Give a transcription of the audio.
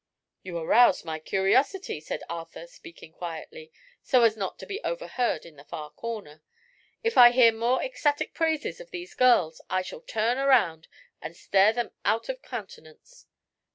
"You arouse my curiosity," said Arthur, speaking quietly, so as not to be overheard in the far corner. "If I hear more ecstatic praises of these girls I shall turn around and stare them out of countenance."